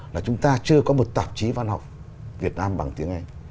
là chúng ta chưa có một tạp chí văn học việt nam bằng tiếng anh